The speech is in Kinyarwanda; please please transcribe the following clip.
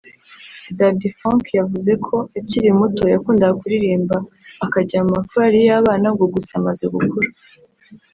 Mudandi Frank yavuze ko akiri muto yakundaga kuririmba akajya mu makorali y’abana ngo gusa amaze gukura